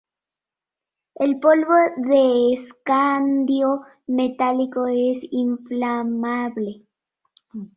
El polvo de escandio metálico es inflamable.